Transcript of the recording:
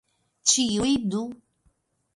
Ĉiuj du!